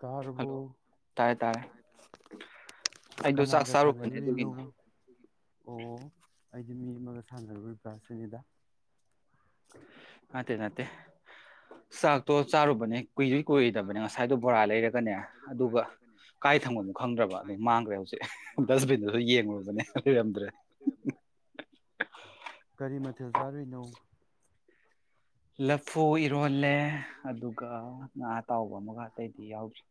ꯇꯥꯔꯕꯨ ꯀꯅꯥꯒ ꯁꯥꯟꯅꯔꯨꯔꯤꯅꯣ ꯑꯣ ꯑꯩꯗꯤ ꯃꯤ ꯑꯃꯒ ꯁꯥꯟꯅꯔꯨꯔꯤꯕ꯭ꯔꯥ ꯁꯤꯅꯤꯗꯥ ꯅꯠꯇꯦ ꯅꯥꯠꯇꯦ ꯆꯥꯛꯇꯣ ꯆꯥꯔꯨꯕ ꯀꯔꯤ ꯃꯊꯦꯜ ꯆꯥꯔꯨꯏꯅꯣ ꯂꯐ ꯐꯨ ꯏꯔꯣꯜꯂꯦ ꯑꯗꯨꯒ ꯉꯥ ꯑꯇꯥꯎꯕ ꯑꯃꯒ ꯑꯇꯩꯗꯤ ꯌꯥꯎꯗ꯭ꯔꯦ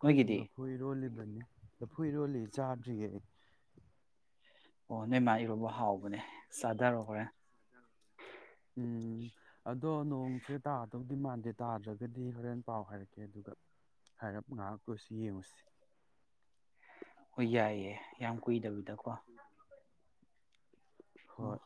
ꯅꯣꯏꯒꯤꯗꯤ ꯂꯐꯨ ꯏꯔꯣꯜꯂꯤ ꯆꯥꯗ꯭ꯔꯤꯌꯦ ꯑꯩ ꯑꯣꯅꯦ ꯃꯥꯥꯏꯔꯣꯜꯕ ꯍꯥꯎꯕꯅꯦ ꯆꯥꯊꯔꯣ ꯍꯣꯔꯦꯟ ꯑꯗꯣ ꯅꯣꯡꯁꯦ ꯇꯥꯗꯧꯗꯤ ꯃꯥꯟꯗꯦ ꯇꯥꯗ꯭ꯔꯒꯗꯤ ꯍꯣꯔꯦꯟ ꯄꯥꯎ ꯍꯥꯏꯔꯛꯀꯦ ꯑꯗꯨꯒ ꯍꯥꯏꯔꯞ ꯉꯥꯏꯍꯥꯛ ꯑꯣꯏꯁꯨ ꯌꯦꯡꯉꯨꯁꯤ ꯍꯣꯢ ꯌꯥꯏꯑꯦ ꯌꯥꯝ ꯀꯨꯏꯗꯕꯤꯗꯀꯣ ꯍꯣꯏ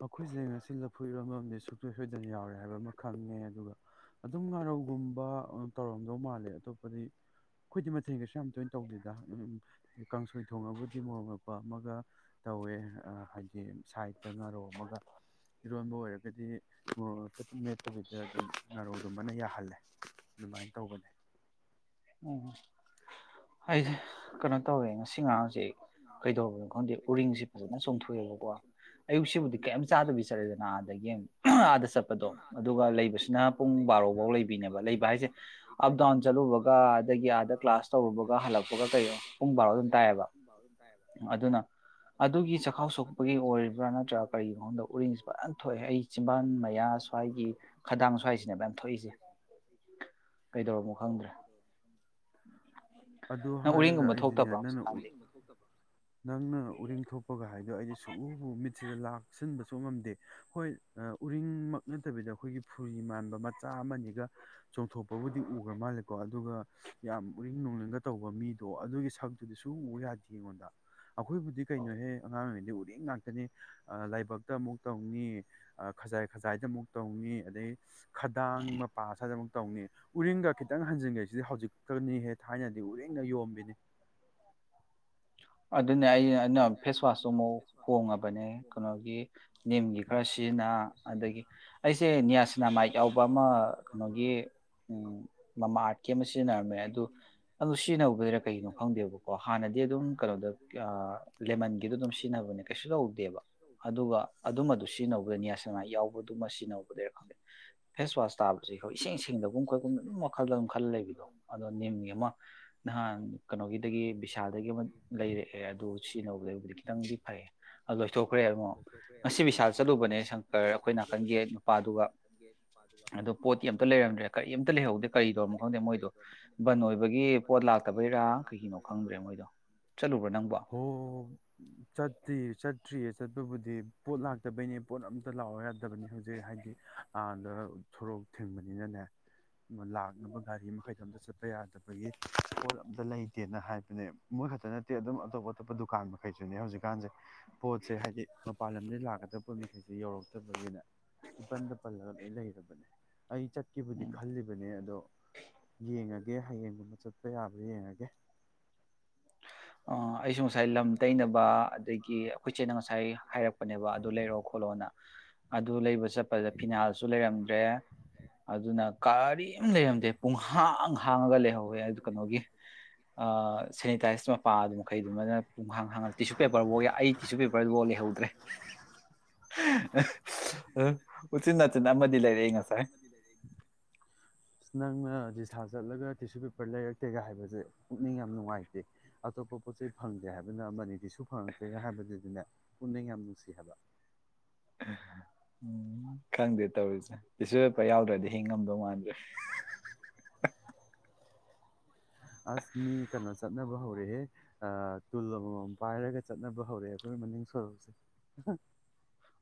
ꯑꯩꯈꯣꯏꯁꯦ ꯉꯁꯤ ꯂꯐꯨ ꯌꯔꯣꯟꯝꯕ ꯁꯣꯏꯗꯅ ꯌꯥꯎꯔꯦ ꯍꯥꯏꯕ ꯑꯃ ꯈꯪꯉꯦ ꯑꯗꯨꯒ ꯑꯗꯨꯝ ꯉꯥꯔꯧꯒꯨꯝꯕ ꯇꯧꯔꯝꯗꯧ ꯃꯥꯜꯂꯦ ꯑꯇꯣꯞꯄꯗꯤ ꯑꯩꯈꯣꯏꯗꯤ ꯇꯦꯡ ꯀꯩꯁꯨ ꯌꯥꯝ ꯇꯣꯏꯅ ꯇꯧꯗꯦꯗ ꯀꯥꯡꯁꯣꯏ ꯊꯣꯡꯉꯕꯨꯗꯤ ꯃꯣꯔꯣꯛ ꯃꯣꯄ ꯑꯃꯒ ꯇꯧꯋꯦ ꯍꯥꯏꯗꯤ ꯁꯥꯏꯗꯠꯇ ꯉꯥꯔꯧ ꯑꯃꯒ ꯏꯔꯣꯟꯕ ꯑꯣꯏꯔꯒꯗꯤ ꯃꯣꯔꯣꯛ ꯃꯄ ꯃꯦꯠꯇꯕꯤꯗ ꯑꯗꯨꯝ ꯉꯥꯔꯧꯗꯨꯕꯅ ꯌꯥꯍꯜꯂꯦ ꯑꯗꯨꯃꯥꯏꯅ ꯇꯧꯕꯅꯦ ꯎꯝ ꯑꯩꯗꯤ ꯀꯩꯅꯣ ꯇꯧꯔꯦ ꯉꯁꯤ ꯉꯔꯥꯡꯁꯦ ꯀꯩꯗꯧꯔꯕꯅꯣ ꯈꯪꯗꯦ ꯎꯔꯤꯡꯁꯤꯦ ꯐꯖꯅ ꯆꯣꯡꯊꯣꯛꯑꯦꯕꯀꯣ ꯑꯌꯨꯛꯁꯤꯕꯨꯗꯤ ꯀꯩꯝ ꯆꯥꯗꯕꯤ ꯆꯠꯂꯦꯗꯅ ꯑꯥꯗꯒꯤ ꯑꯥꯗ ꯆꯠꯄꯗꯣ ꯑꯗꯨꯒ ꯂꯩꯕꯁꯤꯅ ꯄꯨꯡ ꯕꯥꯔꯣꯐꯧ ꯂꯩꯕꯤꯅꯦꯕ ꯂꯩꯕ ꯍꯥꯏꯁꯦ ꯑꯞ ꯗꯥꯎꯟ ꯆꯠꯂꯨꯕ ꯑꯗꯒꯤ ꯑꯥꯗ ꯀ꯭ꯂꯥꯁ ꯇꯧꯔꯨꯕꯒ ꯍꯜꯂꯛꯄꯒ ꯄꯨꯡ ꯕꯥꯔꯣ ꯑꯗꯨꯝ ꯇꯥꯏꯑꯕ ꯑꯗꯨꯅ ꯑꯗꯨꯒꯤ ꯆꯈꯥꯎ ꯁꯣꯛꯄꯒꯤ ꯑꯣꯏꯔꯤꯕ꯭ꯔꯥ ꯅꯠꯇ꯭ꯔꯒ ꯀꯔꯤꯒꯤꯅ ꯃꯐꯝꯗ ꯎꯔꯤꯡꯁꯤ ꯐꯖꯅ ꯊꯣꯛꯑꯦ ꯑꯩ ꯆꯤꯝꯕꯥꯟ ꯃꯌꯥ ꯁ꯭ꯋꯥꯏꯒꯤ ꯈꯗꯥꯡ ꯁ꯭ꯋꯥꯏꯁꯤꯅꯦ ꯃꯌꯥꯝ ꯊꯣꯛꯏꯁꯦ ꯀꯩꯗꯧꯔꯃ ꯈꯪꯗ꯭ꯔꯦ [unintelligible] ꯅꯪ ꯎꯔꯤꯡꯒꯨꯝꯕ ꯊꯣꯛꯇꯕ꯭ꯔꯣ ꯍꯧꯖꯤꯛꯀꯥꯟꯗꯤ ꯅꯪꯅ ꯎꯔꯤꯡ ꯊꯣꯛꯄꯒ ꯍꯥꯏꯗꯣ ꯑꯩꯗꯤ ꯁꯨꯕ ꯃꯤꯠꯁꯤꯗ ꯂꯥꯛ ꯇꯛꯁꯤꯟꯕꯁꯨ ꯉꯝꯗꯦ ꯍꯣꯏ ꯎꯔꯤꯡꯃꯛ ꯅꯠꯇꯕꯤꯗ ꯑꯩꯈꯣꯏꯒꯤ ꯐꯨꯔꯤ ꯃꯥꯟꯕ ꯃꯆꯥ ꯑꯃꯅꯤꯒ ꯆꯣꯡꯊꯣꯛꯄꯕꯨꯗꯤ ꯎꯈ꯭ꯔ ꯃꯥꯜꯂꯦꯀꯣ ꯑꯗꯨꯒ ꯌꯥꯝ ꯎꯔꯤꯡ ꯅꯣꯅꯤꯡꯒ ꯇꯧꯕ ꯃꯤꯗꯣ ꯑꯗꯨꯒꯤ ꯁꯛꯇꯨꯗꯤ ꯁꯨꯕ ꯌꯥꯗꯦ ꯑꯩꯉꯣꯟꯗ ꯑꯩꯈꯣꯏꯕꯨꯗꯤ ꯀꯩꯅꯣꯍꯦ ꯑꯉꯥꯡ ꯑꯣꯏꯔꯤꯉꯩꯗꯤ ꯃꯇꯦꯡ ꯉꯥꯛꯇꯅꯤ ꯂꯥꯏꯕꯛꯇ ꯑꯃꯨꯛ ꯇꯧꯅꯤ ꯈꯖꯥꯏ ꯈꯖꯥꯏꯗ ꯑꯃꯨꯛ ꯇꯧꯤ ꯑꯗꯗꯒꯤ ꯈꯗꯥꯡ ꯃꯄꯥꯁꯥꯗ ꯑꯃꯨ ꯇꯧꯅꯤ ꯎꯔꯤꯡꯒ ꯈꯤꯇꯪ ꯍꯟꯖꯤꯟꯈꯁꯤꯗꯤ ꯍꯧꯖꯤꯛꯀꯅꯤ ꯍꯦ ꯊꯥꯏꯅ ꯎꯅ ꯌꯣꯝꯕꯤꯅꯦ ꯑꯗꯨ ꯑꯗꯨꯅ ꯑꯩꯅ ꯑꯗꯨꯩꯅ ꯐꯦꯁꯋꯥꯁꯇꯣ ꯑꯃꯨꯛ ꯍꯣꯡꯉꯕꯅꯦ ꯀꯩꯅꯣꯒꯤ ꯅꯤꯝꯒꯤ ꯈꯔ ꯁꯤꯖꯤꯟꯅ ꯑꯗꯒꯤ ꯑꯩꯁꯦ ꯅꯤꯌꯥꯁꯅꯥ ꯃꯥꯏꯛ ꯌꯥꯎꯕ ꯑꯃ ꯀꯩꯅꯣꯒꯤ ꯃꯃꯥ ꯑꯥꯔꯠꯀꯤ ꯑꯃ ꯁꯤꯖꯤꯟꯅꯔꯝꯃꯦ ꯑꯗꯨ ꯑꯗꯨ ꯁꯤꯖꯤꯟꯅꯧꯕꯗꯨꯔ ꯀꯒꯤꯩꯅꯣ ꯈꯪꯗꯦꯕꯀꯣ ꯍꯥꯟꯅꯗꯤ ꯑꯗꯨꯝ ꯀꯔꯣꯗ ꯂꯦꯃꯟꯒꯤꯗ ꯑꯗꯨꯝ ꯁꯤꯖꯤꯟꯅꯕꯅꯦ ꯀꯩꯁꯨ ꯇꯧꯗꯦꯕ ꯑꯗꯨꯒ ꯑꯗꯨꯃꯗꯨ ꯁꯤꯖꯤꯟꯅꯕꯗꯅꯤꯌꯥꯁꯅꯥ ꯌꯥꯎꯕꯗꯨꯃ ꯁꯤꯖꯤꯟꯅꯧꯕꯗꯩꯔ ꯈꯪꯗꯦ ꯐꯦꯁ ꯋꯥꯁ ꯇꯥꯕꯕꯁꯤ ꯑꯩꯈꯣꯏ ꯏꯁꯤꯡ ꯁꯁꯤꯡꯗꯒꯨꯝ ꯈꯣꯏꯒꯨꯝ ꯑꯗꯨꯝ ꯃꯈꯜꯗ ꯑꯗꯨꯝ ꯈꯜ ꯂꯩꯕꯗꯣ ꯑꯗꯣ ꯅꯤꯝꯒꯤ ꯑꯃ ꯅꯍꯥꯟ ꯀꯩꯅꯣꯒꯤꯗꯒꯤ ꯕꯤꯁꯥꯗꯒꯤ ꯑꯃ ꯂꯩꯔꯦ ꯑꯦ ꯑꯗꯨ ꯁꯤꯅꯧꯕꯗꯩꯕꯨꯗꯤ ꯈꯤꯇꯪꯗꯤ ꯐꯩ ꯑꯗꯨ ꯂꯣꯏꯊꯣꯛꯈ꯭ꯔꯦ ꯑꯗꯨ ꯑꯃꯛ ꯉꯁꯤ ꯕꯤꯁꯥꯜ ꯆꯠꯂꯨꯕꯅꯦ ꯁꯪꯀꯔ ꯑꯩꯈꯣꯏ ꯅꯥꯀꯟꯒꯤ ꯅꯨꯄꯥꯗꯨꯒ ꯑꯣ ꯄꯣꯠꯇꯤ ꯑꯝꯇ ꯂꯩꯔꯝꯗ꯭ꯔꯦ ꯀꯔꯤ ꯑꯝꯇ ꯂꯩꯍꯧꯗꯦ ꯀꯔꯤꯗꯧꯔꯝꯅꯣ ꯈꯪꯗꯦ ꯃꯣꯏꯗꯣ ꯕꯟ ꯑꯣꯏꯕꯒꯤ ꯄꯣꯠ ꯂꯥꯛꯇꯕꯩꯔꯥ ꯀꯩꯒꯤꯅꯣ ꯈꯪꯗ꯭ꯔꯦ ꯃꯣꯏꯗꯣ [unintelligible] ꯍ ꯆꯠꯔꯤꯁ ꯆꯠꯇ꯭ꯁ ꯆꯠꯄꯕꯨꯗꯤ ꯄꯣꯠ ꯂꯥꯛꯇꯕꯩꯅꯦ ꯄꯣꯠ ꯑꯝꯇ ꯂꯥꯛꯑꯣ ꯕꯅꯤ ꯍꯧꯖꯤꯛ ꯍꯥꯏꯗꯤ ꯑꯗ ꯊꯣꯔꯣꯛ ꯊꯤꯡꯕꯅꯤꯅꯅꯦ ꯂꯥꯛꯅꯕ ꯒꯥꯔꯤ ꯃꯈꯩꯗꯣ ꯑꯝꯇ ꯆꯠꯄ ꯌꯥꯗꯕꯒꯤ ꯐ ꯑꯗ ꯂꯩ ꯅꯠꯇꯦꯅ ꯍꯥꯏꯕꯅꯦ ꯃꯣꯏ ꯈꯛꯇ ꯅꯠꯇꯦ ꯑꯗꯨꯝ ꯑꯇꯣꯞꯄ ꯑꯇꯣꯞꯄ ꯗꯨꯀꯥꯟ ꯃꯈꯩꯁꯨꯅꯦ ꯍꯧꯖꯤꯛꯀꯥꯟꯁꯦ ꯄꯣꯠꯁꯦ ꯍꯥꯏꯗꯤ ꯃꯄꯥꯟ ꯂꯝꯗꯒꯤ ꯂꯥꯛꯄ ꯈꯥꯛꯇ ꯄꯨꯟ ꯃꯈꯩꯁꯨ ꯌꯧꯔꯒꯦ ꯑꯗꯨꯕꯅꯤꯅ ꯏꯄꯟꯗ ꯄꯜꯂꯒ ꯂꯣꯏ ꯂꯩꯔꯕꯅꯦ ꯑꯩ ꯆꯠꯈꯤꯕꯕꯨꯗꯤ ꯈꯜꯂꯤꯕꯅꯦ ꯑꯗꯣ ꯌꯦꯡꯉ ꯒꯦ ꯍꯌꯦꯡꯒꯨꯝꯕ ꯆꯠꯄ ꯌꯥꯕ꯭ꯔꯥ ꯌꯦꯡꯉꯒꯦ ꯑ ꯑꯩꯁꯨ ꯉꯁꯥꯏ ꯂꯝ ꯇꯩꯅꯕ ꯑꯗꯒꯤ ꯑꯩꯈꯣꯏꯆꯦꯠꯅ ꯉꯁꯥꯏ ꯍꯥꯏꯔꯛꯄ ꯄꯅꯦꯕ ꯑꯗꯨ ꯂꯩꯔꯣ ꯈꯣꯠꯂꯣꯅ ꯑꯗꯨ ꯂꯩ ꯆꯠꯄꯗ ꯐꯤꯅꯥꯜꯁꯨ ꯂꯩꯔꯝꯗ꯭ꯔꯦ ꯑꯗꯨꯅ ꯀꯥꯔꯤ ꯌꯥꯝꯦꯝ ꯂꯩ ꯁꯦ ꯄꯨꯡꯍꯥꯡ ꯍꯥꯡꯉꯒ ꯂꯩꯍꯧꯋꯦ ꯀꯩꯅꯣꯒꯤ ꯁꯦꯅꯤꯇꯥꯏꯁꯃ ꯑꯗꯨ ꯃꯈꯩꯗꯨꯃꯅ ꯄꯨꯡꯥꯡ ꯍꯥꯡ ꯇꯤꯁꯨ ꯄꯦꯄꯔꯦ ꯑꯩ ꯇꯤꯁꯨ ꯄꯦꯄꯔꯐ ꯂꯩꯍꯧꯗ꯭ꯔꯦ ꯎꯆ ꯎꯆ ꯅ ꯅꯝꯕꯗꯤ ꯂꯩ ꯂꯩꯦꯉ ꯁꯥꯔ ꯁꯥ ꯆꯠꯂꯒ ꯇꯤꯁꯨ ꯄꯦꯄꯔ ꯂꯩꯔꯛꯇꯦꯒ ꯍꯥꯏꯕꯁꯦ ꯄꯨꯛꯅꯤꯡ ꯌꯥꯝ ꯅꯨꯡꯉꯥꯏꯇꯦ ꯑꯇꯣꯞꯄ ꯄꯣꯠ ꯆꯩ ꯐꯪꯗꯦ ꯍꯥꯏꯕꯅ ꯑꯃꯅꯤ ꯇꯤꯁꯨ ꯐꯪꯉꯛꯇꯦꯒ ꯍꯥꯏꯕꯗꯨꯗꯤꯅꯦ ꯄꯨꯛꯅꯤꯡ ꯌꯥꯝ ꯅꯨꯡꯁꯤ ꯍꯥꯏꯕ ꯎꯝ ꯈꯪꯗꯦ ꯇꯧꯔꯤꯁꯦ ꯁꯤꯁꯨ ꯄꯥ ꯌꯥꯎꯗ꯭ꯔꯗꯤ ꯍꯤꯡ ꯉꯝꯗꯧ ꯃꯥꯟꯗ꯭ꯔꯦ ꯑꯁ ꯃꯤ ꯀꯩꯅꯣ ꯆꯠꯅꯕ ꯍꯧꯔꯛꯍꯦ ꯇꯨꯜ ꯑꯃꯃꯝ ꯄꯥꯏꯔꯒ ꯆꯠꯅꯕ ꯍꯧꯔꯛꯑꯦ ꯑꯩꯈꯣꯏꯅ ꯃꯅꯤꯡ ꯁꯂꯨꯁꯦ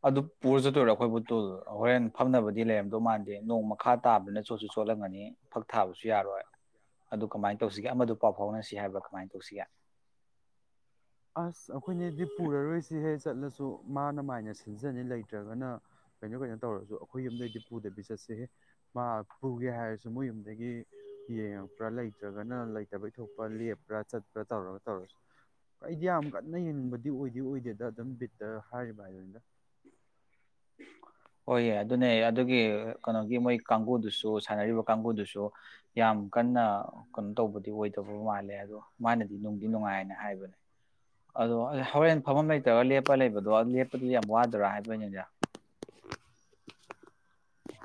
ꯑꯗꯨ ꯄꯨꯔ ꯆꯠꯇꯣꯏꯔꯣ ꯑꯩꯈꯣꯏꯕꯨꯨꯜ ꯍꯣꯔꯦꯟ ꯐꯝꯅꯕꯗꯤ ꯂꯩꯔꯝꯗꯧ ꯃꯥꯟꯗꯦ ꯅꯣꯡ ꯃꯈꯥ ꯇꯥꯕꯅꯤꯅ ꯆꯣꯠꯁꯨ ꯆꯣꯠꯂꯝꯒꯅꯤ ꯐꯛ ꯊꯥꯕꯁꯨ ꯨ ꯌꯥꯔꯣꯏ ꯑꯗꯨ ꯀꯃꯥꯏꯅ ꯇꯧꯁꯤꯒꯦ ꯑꯃꯗ ꯄꯥꯎ ꯐꯥꯎꯅꯁꯤ ꯍꯥꯏꯕ꯭ꯔꯥ ꯀꯃꯥꯏꯅ ꯇꯧꯁꯤꯒꯦ ꯑꯁ ꯑꯩꯈꯣꯏꯅꯦꯗꯤ ꯄꯨꯔꯔꯣꯏꯁꯤꯍꯦ ꯆꯠꯂꯁꯨ ꯃꯥꯅ ꯃꯥꯏꯅ ꯁꯤꯟꯖꯅꯤ ꯂꯩꯇ꯭ꯔꯒꯅ ꯀꯩꯅꯣ ꯀꯩꯅꯣ ꯇꯧꯔꯁꯨ ꯑꯩꯈꯣꯏ ꯌꯨꯝꯗꯒꯤꯩꯗꯤ ꯄꯨꯗꯕꯤ ꯆꯠꯁꯤꯍꯦ ꯃꯥ ꯄꯨꯒꯦ ꯍꯥꯏꯔꯁꯨ ꯃꯣꯏ ꯌꯨꯝꯗꯒꯤ ꯌꯦꯡꯉꯛꯄ꯭ꯔꯥ ꯂꯩꯇ꯭ꯔꯒꯅ ꯂꯩꯇꯕ ꯏ ꯊꯣꯛꯣꯛꯄ ꯂꯦꯞꯄ꯭ꯔꯥ ꯆꯠꯄ꯭ꯔꯥ ꯇꯧꯔꯒ ꯇꯧꯔꯁꯨ ꯑꯩꯗꯤ ꯌꯥꯝ ꯀꯟꯅ ꯌꯦꯡꯅꯤꯡꯕꯗꯤ ꯑꯣꯏꯗꯤ ꯑꯣꯏꯗꯦꯗ ꯑꯗꯨꯝ ꯕꯤꯠꯇ ꯍꯥꯏꯔꯤꯕ ꯍꯥꯏꯗꯗ ꯍꯣꯏꯌꯦꯦ ꯑꯗꯨꯅꯦ ꯑꯗꯨꯒꯤ ꯀꯩꯅꯣꯒꯤ ꯃꯣꯏ ꯀꯥꯡꯕꯨꯗꯨꯁꯨ ꯁꯥꯟꯅꯔꯤꯕ ꯀꯥꯡꯕꯨꯗꯨꯁꯨ ꯌꯥꯝ ꯀꯟꯅ ꯀꯩꯅꯣ ꯇꯧꯕꯗꯤ ꯑꯣꯏꯗꯕ ꯃꯥꯜꯂꯦ ꯑꯗꯣ ꯃꯥꯅꯗꯤ ꯅꯨꯡꯗꯤ ꯅꯨꯡꯉꯥꯏꯅ ꯍꯥꯏꯕꯅꯦ ꯑꯗꯣ ꯍꯣꯔꯦꯟ ꯐꯝꯐꯝ ꯂꯩꯇ꯭ꯔꯒ ꯂꯦꯞꯄ ꯂꯩꯕꯗꯣ ꯂꯦꯞꯄꯗꯨꯗꯤ ꯌꯥꯝ ꯋꯥꯗ꯭ꯔꯥ ꯍꯥꯏꯕꯅꯤꯗ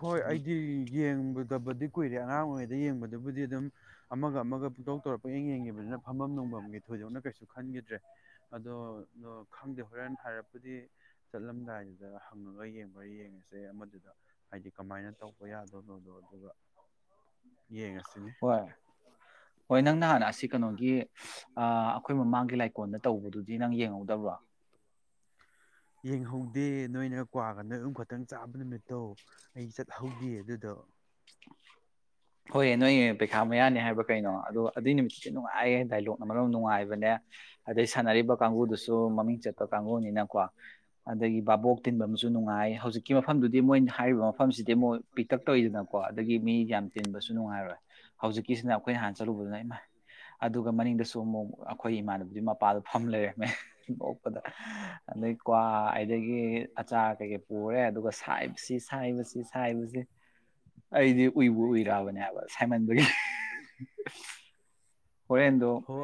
ꯍꯣꯏ ꯑꯩꯗꯤ ꯌꯦꯡꯕꯗ ꯀꯕꯗꯤ ꯀꯨꯏꯔꯦ ꯑꯉꯥꯡ ꯑꯣꯏꯔꯤꯉꯩꯗ ꯌꯦꯡꯕꯗꯨꯕꯨꯗꯤ ꯑꯗꯨꯝ ꯑꯃꯒ ꯑꯃꯒ ꯄꯨꯇꯣꯛ ꯇꯧꯔꯛꯄ ꯌꯦꯡ ꯌꯦꯡꯈꯤꯕꯅꯤꯅ ꯐꯝꯐꯝ ꯅꯅꯨꯡꯐꯝꯒꯤ ꯊꯣꯏꯗꯣꯛꯅ ꯀꯩꯁꯨ ꯈꯟꯈꯤꯗ꯭ꯔꯦ ꯑꯗꯣ ꯈꯪꯗꯦ ꯍꯣꯔꯦꯟ ꯍꯥꯏꯔꯛꯄꯨꯗꯤ ꯆꯠꯂꯝꯗꯥꯏꯗꯨꯗ ꯍꯪꯉꯒ ꯌꯦꯡꯕꯔ ꯌꯦꯡꯉꯁꯦ ꯑꯃꯗꯨꯗ ꯍꯥꯏꯗꯤ ꯀꯃꯥꯏꯅ ꯇꯧꯕ ꯌꯥꯗꯣꯏꯅꯣꯗꯣ ꯑꯗꯨꯒ ꯍꯣꯏ ꯍꯣꯏ ꯅꯪ ꯅꯍꯥꯟ ꯑꯁꯤ ꯀꯩꯅꯣꯒꯤ ꯑꯩꯈꯣꯏ ꯃꯃꯥꯡꯒꯤ ꯂꯥꯏꯀꯣꯜꯗ ꯇꯧꯕꯗꯨ ꯁꯤ ꯅꯪ ꯌꯦꯡꯍꯧꯗꯕ꯭ꯔꯣ ꯌꯦꯡꯍꯧꯗꯦ ꯅꯣꯏꯅ ꯀ꯭ꯋꯥꯒ ꯅꯣꯏ ꯑꯗꯨꯨꯝ ꯈꯛꯇꯪ ꯆꯥꯕ ꯅꯨꯃꯤꯠꯇꯧ ꯑꯩ ꯆꯠꯍꯧꯗꯦ ꯑꯗꯨꯗꯣ ꯍꯣꯏꯌꯦ ꯅꯣꯏ ꯄꯩꯈꯥ ꯃꯌꯥꯅꯦ ꯍꯥꯏꯕ ꯀꯩꯅꯣ ꯑꯗꯣ ꯑꯗꯨꯏ ꯅꯨꯃꯤꯠꯇꯨꯗꯤ ꯅꯨꯡꯉꯥꯏꯌꯦ ꯗꯥꯏꯂꯣꯛ ꯑꯃꯔꯣꯝ ꯅꯨꯡꯉꯥꯏꯕꯅꯦ ꯑꯗꯩ ꯁꯥꯟꯅꯔꯤꯕ ꯀꯥꯡꯕꯨꯗꯨꯁꯨ ꯃꯃꯤꯡ ꯆꯠꯄ ꯀꯥꯡꯕꯨꯅꯤꯅꯀꯣ ꯑꯗꯒꯤ ꯕꯥꯕꯣꯛ ꯇꯤꯟꯕ ꯑꯃꯁꯨ ꯅꯨꯡꯉꯥꯏ ꯍꯧꯖꯤꯛꯀꯤ ꯃꯐꯝꯗꯨꯗꯤ ꯃꯣꯏ ꯍꯥꯏꯔꯤꯕ ꯃꯐꯝꯁꯤꯗꯤ ꯑꯃꯨꯛ ꯄꯤꯛꯇꯞ ꯇꯧꯋꯤꯗꯅꯀꯣ ꯗꯗꯒꯤ ꯃꯤ ꯌꯥꯝ ꯇꯤꯟꯕꯁꯨ ꯅꯨꯡꯉꯥꯏꯔꯣꯏ ꯍꯧꯖꯤꯛꯀꯤꯁꯤꯅ ꯑꯩꯈꯣꯏꯅ ꯍꯥꯟꯅ ꯆꯠꯂꯨꯕꯗꯨꯅ ꯏꯃꯥꯏ ꯑꯗꯨꯒ ꯃꯅꯤꯡꯗꯁꯨ ꯑꯃꯨꯛ ꯑꯩꯈꯣꯏ ꯏꯃꯥꯟꯕꯤꯗꯤ ꯃꯄꯥꯜꯗ ꯐꯝ ꯂꯩꯔꯝꯃꯦ ꯄꯣꯛꯄꯗ ꯑꯗꯩ ꯀ꯭ꯋꯥ ꯑꯗꯒꯤ ꯑꯆꯥꯔ ꯀꯩꯀꯩ ꯄꯨꯔꯦ ꯑꯗꯨꯒꯕꯁꯤ ꯁꯥꯏꯕꯁꯤ ꯁꯥꯏꯕꯁꯤ ꯑꯩꯗꯤ ꯎꯏꯕꯨ ꯎꯏꯔꯛꯑꯕꯅꯦꯕ ꯥꯏ ꯍꯣꯏ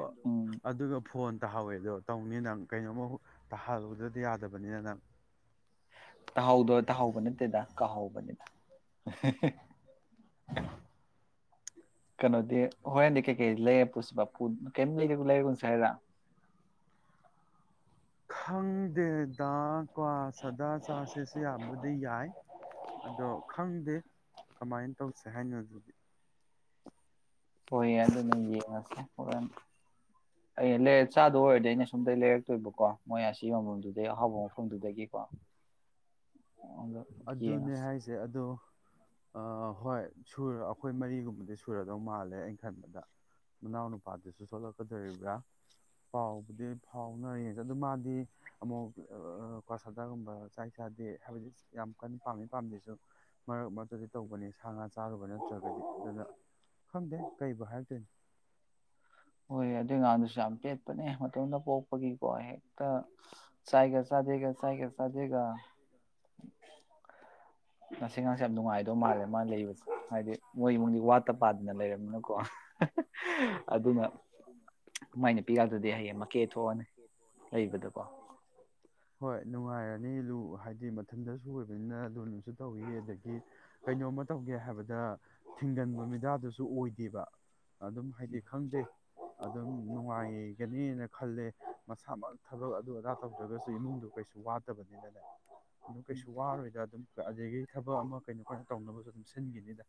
ꯑꯗꯨꯒ ꯐꯣꯟ ꯇꯥꯍꯧꯋꯦ ꯑꯗꯣ ꯇꯧꯅꯤ ꯅꯪ ꯀꯩꯅꯣꯝꯃ ꯇꯥꯍꯜꯂꯨꯗ꯭ꯔꯗꯤ ꯌꯥꯗꯕꯅꯤꯅ ꯅꯪ ꯇꯥꯍꯥꯎꯗꯣ ꯇꯥꯍꯧꯕ ꯅꯠꯇꯦꯗ ꯀꯥꯍꯧꯕꯅꯤꯅ ꯀꯩꯅꯣꯗꯤ ꯍꯣꯏꯣꯔ ꯍꯦꯟꯗꯤ ꯀꯩꯀꯩ ꯂꯩꯔꯦ ꯄꯨꯁꯤꯄꯨ ꯀꯔꯤꯝ ꯂꯩ ꯂꯩꯔꯦꯒ ꯁ ꯍꯥꯏꯔ ꯈꯪꯗꯦꯗ ꯀꯣ ꯁꯗꯥ ꯆꯥꯔꯁꯦꯁꯨ ꯌꯥꯝꯕꯗꯤ ꯌꯥꯏ ꯑꯗꯣ ꯈꯪꯗꯦ ꯀꯃꯥꯏꯅ ꯇꯧꯁꯦ ꯍꯥꯏꯅꯣ ꯑꯗꯨꯗꯤ ꯍꯣꯏ ꯑꯗꯨꯅ ꯌꯦꯡꯉꯁꯦꯂ ꯃꯆꯥꯗꯣ ꯑꯣꯏꯔꯗꯤ ꯑꯩꯅ ꯁꯣꯝꯗ ꯂꯩꯔꯛꯇꯣꯏꯕꯀꯣ ꯃꯣꯏ ꯑꯁꯤ ꯃꯐꯝꯗꯨꯗꯒꯤꯩ ꯑꯍꯥꯎꯕ ꯃꯐꯝꯗꯨꯗꯒꯤꯀꯣ ꯑꯗꯨꯅꯦ ꯍꯥꯏꯁꯦ ꯑꯗꯣ ꯑ ꯍꯣꯏ ꯁꯨꯔ ꯑꯩꯈꯣꯏ ꯃꯔꯤꯒꯨꯝꯕꯗꯤ ꯁꯨꯔꯗꯧ ꯃꯥꯜꯂꯦ ꯑꯩꯅ ꯈꯟꯕꯗ ꯃꯅꯥꯎ ꯅꯨꯄꯥꯗꯨꯁꯨ ꯊꯣꯛꯂꯛꯀꯗꯣꯔꯤꯕ꯭ꯔꯥ ꯄꯥꯎꯕꯨꯗꯤ ꯐꯥꯎꯅꯔꯤꯉ ꯑꯗꯨ ꯃꯥꯗꯤ ꯑꯃꯨꯛ ꯀ꯭ꯋꯥꯁꯗꯒꯨꯝꯕ ꯆꯥꯛ ꯆꯥꯗꯦ ꯍꯥꯏꯕꯗꯤ ꯌꯥꯝ ꯀꯟꯅ ꯄꯥꯝꯃꯤ ꯄꯥꯝꯗꯦꯁꯨ ꯃꯔꯛ ꯃꯔꯛꯇꯗꯤ ꯇꯧꯕꯅꯤ ꯁꯥ ꯉꯥ ꯆꯥꯔꯨꯕ ꯅꯠꯇ꯭ꯔꯒꯗꯤ ꯑꯗꯨꯅ ꯈꯪꯗꯦ ꯀꯕꯨ ꯍꯥꯏꯔꯛꯇꯣꯏꯅꯤꯣ ꯍꯣꯏ ꯑꯗꯨ ꯉꯥꯡꯗ ꯦꯅꯦ ꯄꯒꯤ ꯀꯣꯍꯦ ꯆꯥꯏꯒ ꯆꯥꯗꯦꯒ ꯆꯥꯏꯒ ꯆꯥꯗꯦꯒ ꯉꯁꯤ ꯉꯥꯁꯦ ꯌꯥꯝ ꯅꯨꯡꯉꯥꯏꯗꯧ ꯃꯥꯜꯂꯦ ꯃꯥ ꯂꯩꯕꯁꯦ ꯍꯥꯏꯗꯤ ꯃꯣꯏ ꯏꯃꯨꯡꯗꯤ ꯋꯥꯠꯇ ꯄꯥꯗꯅ ꯂꯩꯔꯕꯝꯅꯤꯅꯀꯣ ꯑꯗꯨꯅ ꯃꯥꯏ ꯅꯨ ꯄꯤꯔꯥꯛꯇꯗꯤ ꯍꯌꯦꯡ ꯃꯀꯦ ꯊꯣꯛꯑꯅꯤ ꯂꯩꯕꯗꯀꯣ ꯍꯣꯏ ꯅꯨꯡꯉꯥꯏꯔꯅꯤꯨ ꯍꯥꯏꯕꯗꯤ ꯃꯊꯟꯇ ꯁꯣꯏꯕꯅꯤꯅ ꯂꯨꯁꯨ ꯇꯧꯋ ꯑꯗꯒꯤ ꯀꯩꯅꯣꯝꯃ ꯇꯧꯒꯦ ꯍꯥꯏꯕꯗ ꯊꯤꯡꯒꯟꯕ ꯃꯤꯗꯥꯗꯨꯁꯨ ꯑꯣꯏꯗꯦꯕ ꯑꯗꯨꯝ ꯍꯥꯏꯗꯤ ꯈꯪꯗꯦ ꯑꯗꯨꯝ ꯅꯨꯡꯉꯥꯏꯒꯅꯦꯅ ꯈꯜꯂꯦ ꯃꯁꯥꯃꯛ ꯊꯕꯛ ꯑꯗꯨ ꯑꯗꯥ ꯇꯧꯗ꯭ꯔꯒꯁꯨ ꯑꯗꯨ ꯏꯃꯨꯡꯗꯨ ꯀꯩꯁꯨ ꯋꯥꯠꯇꯕꯅꯤꯅꯅꯦ ꯑꯗꯨꯝ ꯀꯩꯁꯨ ꯋꯥꯔꯣꯏꯗ ꯑꯗꯨꯝ ꯑꯗꯨꯗꯒꯤ ꯊꯕꯛ ꯑꯃ ꯀꯩꯅꯣ ꯑꯩꯈꯣꯏꯅ ꯇꯧꯅꯕꯁꯨ ꯑꯗꯨꯝ ꯁꯤꯟꯈꯤꯅꯤꯗ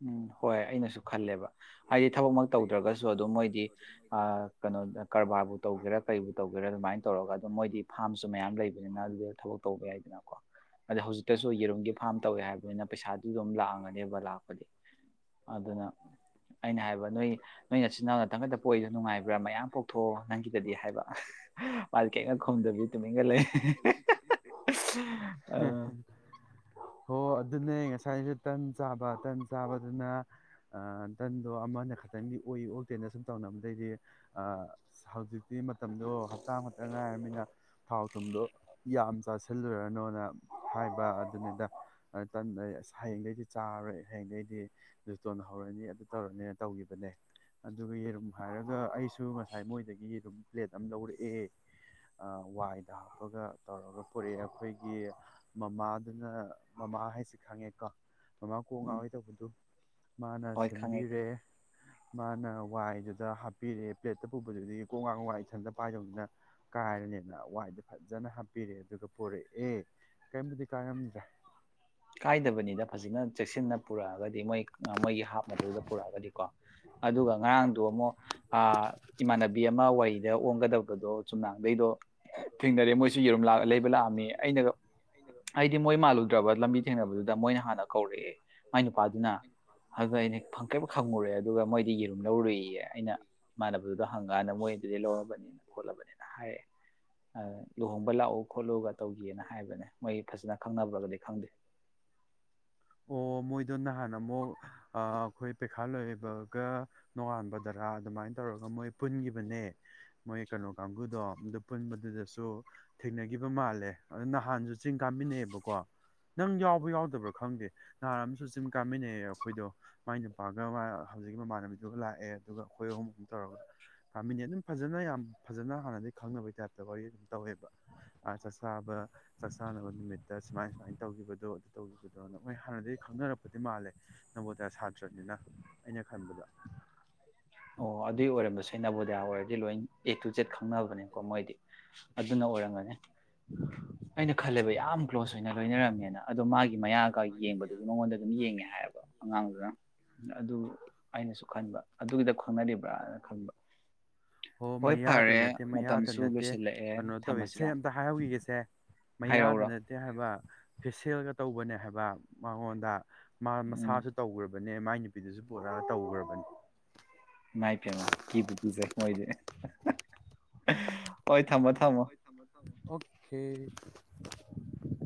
ꯎꯝ ꯍꯣꯏ ꯑꯩꯅꯁꯨ ꯈꯜꯂꯦꯕ ꯍꯥꯏꯗꯤ ꯊꯕꯛꯃꯛ ꯇꯧꯗ꯭ꯔꯒꯁꯨ ꯑꯗꯨꯝ ꯃꯣꯏꯗꯤ ꯀꯩꯅꯣ ꯀꯔꯕꯥꯔꯕꯨ ꯇꯧꯒꯦꯔꯥ ꯀꯔꯤꯕꯨ ꯇꯧꯒꯦꯔꯥ ꯑꯗꯨꯃꯥꯏꯅ ꯇꯧꯔꯒ ꯑꯗꯨꯝ ꯃꯣꯏꯗꯤ ꯐꯥꯔꯝꯁꯨ ꯃꯌꯥꯝ ꯂꯩꯕꯅꯤꯅ ꯑꯗꯨꯗ ꯊꯕꯛ ꯇꯧꯕ ꯌꯥꯏꯗꯅꯀꯣ ꯑꯗ ꯍꯧꯖꯤꯛꯇꯁꯨ ꯌꯦꯔꯨꯝꯒꯤ ꯐꯥꯔꯝ ꯇꯧꯋꯦ ꯍꯥꯏꯕꯅꯤꯅ ꯄꯩꯁꯥꯗꯨ ꯑꯗꯨꯝ ꯂꯥꯛꯑꯒꯅꯦꯕ ꯂꯥꯛꯄꯗꯤ ꯑꯗꯨꯅ ꯑꯩꯅ ꯍꯥꯏꯕ ꯅꯣꯏ ꯅꯣꯏ ꯏꯆꯤꯟꯜ ꯏꯅꯥꯎꯅ ꯇꯪꯒꯛꯇ ꯄꯣꯛꯏꯗꯣ ꯅꯨꯡꯉꯥꯏꯕ꯭ꯔꯥ ꯃꯌꯥꯝ ꯄꯣꯛꯊꯣꯛꯑꯣ ꯅꯪꯒꯤꯗꯗꯤ ꯍꯥꯏꯕ ꯃꯥꯗꯤ ꯀ ꯍ ꯑꯗꯨꯅꯦ ꯉꯁꯥꯏꯁ ꯇꯟ ꯆꯥꯕ ꯇꯟ ꯆꯥꯕꯗꯨꯅ ꯇꯟꯗꯣ ꯑꯃꯅ ꯈꯇꯪꯗꯤ ꯑꯣꯛꯏ ꯑꯣꯛꯇꯦꯅ ꯁꯨꯝ ꯇꯧꯅꯕꯗꯩꯗꯤ ꯍꯧꯖꯤꯛꯇꯤ ꯃꯇꯝꯗꯣ ꯍꯞꯇꯥ ꯈꯛꯇ ꯉꯥꯏꯔꯃꯤꯅꯤ ꯑꯩꯅ ꯊꯥꯎ ꯊꯨꯝꯗꯣ ꯌꯥꯝ ꯆꯥꯁꯤꯜꯂꯨꯔꯅꯣꯅ ꯍꯥꯏꯕ ꯑꯗꯨꯅꯤꯗ ꯑꯁ ꯍꯌꯦꯡꯈꯩꯗꯤ ꯆꯥꯔꯣꯏ ꯍꯌꯦꯡꯈꯩꯗꯤ ꯂꯇꯣꯟ ꯍꯧꯔꯅꯤ ꯑꯗꯨ ꯇꯧꯔꯅꯤꯅ ꯇꯧꯈꯤꯕꯅꯦ ꯑꯗꯨꯒ ꯌꯦꯔꯨꯝ ꯍꯥꯏꯔꯒ ꯑꯩ ꯁꯨ ꯉꯁꯥꯏ ꯃꯣꯏꯗꯒꯤ ꯑꯗꯨꯝ ꯄ꯭ꯂꯦꯝ ꯂꯧꯧꯔ ꯋꯥꯏꯗ ꯍꯥꯞꯄꯒ ꯇꯧꯔꯒ ꯄꯨꯔꯛꯑꯦ ꯑꯩꯈꯣꯏꯒꯤ ꯃꯃꯥꯗꯨꯅ ꯃꯃꯥ ꯍꯥꯏꯁꯦ ꯈꯪꯉꯦꯀꯣ ꯃꯃꯥ ꯀꯣꯛ ꯉꯥꯎꯔꯣꯏ ꯇꯧꯕꯗꯨ ꯃꯥꯅ ꯁꯦꯝꯟꯕꯤꯔꯦ ꯃꯥꯅ ꯋꯥꯏꯗꯨꯗ ꯍꯥꯞꯄꯤꯔꯛꯑꯦ ꯄ꯭ꯂꯦꯠꯇ ꯄꯨꯕꯗꯨꯗꯤ ꯀꯣꯡꯒꯥꯡ ꯋꯥꯏ ꯏꯊꯟꯗ ꯄꯥꯏꯗꯧꯅꯤꯅ ꯀꯥꯏꯔꯅꯤꯅ ꯋꯥꯏꯗ ꯐꯖꯅ ꯍꯥꯞꯄꯤꯔꯛꯑꯦ ꯑꯗꯨꯒ ꯄꯨꯔꯛꯑꯦ ꯀꯔꯤꯝꯕꯨꯗꯤ ꯀꯥꯔꯝꯗ꯭ꯔꯦ ꯀꯥꯏꯗꯕꯅꯤꯗ ꯐꯖꯅ ꯆꯦꯛꯁꯤꯟꯅ ꯄꯨꯔꯛꯑꯒꯗꯤ ꯃꯣꯏ ꯃꯣꯏꯒꯤ ꯍꯥꯞꯅꯕꯗꯨꯗ ꯄꯨꯔꯛꯑꯒꯗꯤꯀꯣ ꯑꯗꯨꯒ ꯉꯔꯥꯡꯗꯣ ꯑꯃꯨꯛ ꯑꯥ ꯏꯃꯥꯟꯅꯕꯤ ꯑꯃ ꯋꯥꯔꯤꯗ ꯑꯣꯡꯒꯗꯕꯗꯣ ꯆꯨꯝꯅꯥꯡꯗꯩꯗꯣ ꯊꯦꯡꯅꯔꯦ ꯃꯣꯏꯁꯨ ꯌꯦꯨꯝ ꯂꯩꯕ ꯂꯥꯛꯑꯝꯃꯤ ꯑꯩꯅꯒ ꯑꯩꯗꯤ ꯃꯣꯏ ꯃꯥꯜꯂꯨꯗ꯭ꯔꯕ ꯂꯝꯕꯤ ꯊꯦꯡꯅꯕꯗꯨꯗ ꯃꯣꯏꯅ ꯍꯥꯟꯅ ꯀꯧꯔꯛꯑꯦ ꯃꯥꯏ ꯅꯨꯄꯥꯗꯨꯅ ꯑꯗꯨꯗ ꯑꯩꯅ ꯈꯪꯄ꯭ꯔꯦꯛꯄꯨ ꯈꯪꯉꯨꯔꯦ ꯑꯗꯨꯒ ꯃꯣꯏꯗꯤ ꯌꯦꯔꯨꯝ ꯂꯧꯔꯨꯏꯌꯦ ꯑꯩꯅ ꯏꯃꯥꯟꯅꯕꯗꯨꯗ ꯍꯪꯉꯀꯥꯟꯗ ꯃꯣꯏ ꯑꯗꯨꯗꯤ ꯂꯧꯔꯕꯅꯤꯅ ꯈꯣꯠꯂꯕꯅꯤꯅ ꯍꯥꯏꯔꯦ ꯂꯨꯍꯣꯡꯕ ꯂꯥꯛꯎ ꯈꯣꯠꯂꯨꯒ ꯇꯧꯒꯤꯒꯥ ꯍꯥꯏꯕꯅꯦ ꯃꯣꯏ ꯐꯖꯅ ꯈꯪꯅꯕ꯭ꯔꯒꯗꯤ ꯈꯪꯗꯦ ꯑꯣ ꯃꯣꯏꯗꯣꯟꯅ ꯅꯍꯥꯟ ꯑꯃꯨꯛ ꯑ ꯑꯈꯣꯏ ꯄꯩꯈꯥꯜ ꯂꯣꯏꯕꯒ ꯅꯣꯉꯥꯟꯕ ꯗꯔꯥ ꯑꯗꯨꯃꯥꯏꯅ ꯇꯧꯔꯒ ꯃꯣꯏ ꯄꯨꯟꯈꯤꯕꯅꯦ ꯃꯣꯏ ꯀꯩꯅꯣ ꯀꯥꯡꯕꯨꯗꯣ ꯑꯗꯨ ꯄꯨꯟꯕꯗꯨꯗꯁꯨ ꯊꯦꯡꯅꯒꯤꯕ ꯃꯥꯜꯂꯦ ꯑꯗ ꯅꯍꯥꯟꯁꯨ ꯆꯤꯡ ꯀꯥꯃꯤꯟꯅꯩꯑꯦꯕꯀꯣ ꯅꯪ ꯌꯥꯎꯕ ꯌꯥꯎꯗꯕ꯭ꯔꯥ ꯈꯪꯗꯦ ꯅꯍꯥꯟ ꯑꯃꯁꯨ ꯆꯤꯡ ꯀꯥꯃꯤꯟꯅꯩ ꯑꯩꯈꯣꯏꯗꯣ ꯃꯥꯏ ꯅꯨꯄꯥꯒ ꯍꯧꯖꯤꯛꯀꯤ ꯃꯃꯥꯟꯅꯕꯤꯗꯨꯒ ꯂꯥꯛꯑꯦ ꯑꯗꯨꯒ ꯑꯩꯈꯣꯏ ꯑꯍꯨꯝ ꯑꯍꯨꯝ ꯇꯧꯔꯒ ꯀꯥꯃꯤꯟꯅꯩ ꯑꯗꯨꯝ ꯐꯖꯅ ꯌꯥꯝ ꯐꯖꯅ ꯍꯥꯟꯅꯗꯩ ꯈꯪꯅꯕꯩ ꯇꯥꯏꯞꯇ ꯋꯥꯔꯤ ꯑꯗꯨꯝ ꯇꯧꯋꯦꯕ ꯆꯥꯛꯆꯥꯕ ꯆꯥꯛꯆꯥꯥꯅꯕ ꯅꯨꯃꯤꯠꯇ ꯁꯨꯃꯥꯏ ꯁꯨꯃꯥꯏꯅ ꯇꯧꯈꯤꯕꯗꯣ ꯑꯗꯨ ꯇꯧꯈꯤꯕꯗꯣꯅ ꯃꯣꯏ ꯍꯥꯟꯅꯗꯒꯤ ꯈꯪꯅꯔꯛꯄ ꯗꯤ ꯃꯥꯜꯂꯦ ꯅꫭꯕꫭꯗꯤꯌꯥ ꯁꯥꯇ꯭ꯔꯅꯤꯅ ꯑꯩꯅ ꯈꯟꯕꯗ ꯑꯣ ꯑꯗꯨꯎ ꯑꯣꯏꯔꯝꯕ ꯁ ꯅꯕꫭꯗꯤꯌꯥ ꯑꯣꯏꯔꯗꯤ ꯂꯣꯏ ꯑꯦ ꯇꯨ ꯖꯦꯠ ꯈꯪꯅꯕꯅꯦꯀꯣ ꯃꯣꯏꯗꯤ ꯑꯗꯨꯅ ꯑꯣꯏꯔꯝꯒꯅꯤ ꯑꯩꯅ ꯈꯜꯂꯦꯕ ꯌꯥꯝ ꯀ꯭ꯂꯣꯁ ꯑꯣꯏꯅ ꯂꯣꯏꯅꯔꯝꯃꯦꯅ ꯑꯗꯣ ꯃꯥꯒꯤ ꯃꯌꯥꯒ ꯌꯦꯡꯕꯗꯨꯒꯤ ꯃꯉꯣꯟꯗ ꯑꯗꯨꯝ ꯌꯦꯡꯉꯦ ꯍꯥꯏꯌꯦꯕ ꯑꯉꯥꯡꯗꯨꯅ ꯑꯗꯨ ꯑꯩꯅꯁꯨ ꯈꯟꯕ ꯑꯗꯨꯒꯤꯗ ꯑꯣ ꯃꯌꯥꯗ ꯅꯠꯇꯦ ꯃꯌꯥꯗ ꯅꯠꯇꯦ ꯀꯩꯅꯣ ꯇꯧꯋꯤ ꯁꯦ ꯑꯝꯇ ꯍꯥꯏꯍꯧꯈꯤꯒꯦꯁꯦ ꯃꯩꯌꯥꯗ ꯅꯠꯇꯦ ꯍꯥꯏꯕ ꯐꯦꯁꯤꯌꯦꯜꯒ ꯇꯧꯕꯅꯦ ꯍꯥꯏꯕ ꯃꯉꯣꯟꯗ ꯃꯥ ꯃꯁꯥꯁꯨ ꯇꯧꯈꯔꯕ ꯅꯦ ꯃꯥꯏ ꯅꯨꯄꯤꯗꯨꯁꯨ ꯄꯔꯛꯒ ꯇꯧꯈ꯭ꯔꯕꯅꯦ ꯏꯃꯥꯏ ꯐꯦꯃꯥ ꯀꯤꯕꯨꯨ ꯀꯤꯗꯤ ꯃꯣꯏꯗꯤ [unintelligible] [unintelligible] ꯑꫭꯀꯦ